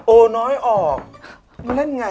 โอ้น้อยออกมันได้ยังไงอ่ะ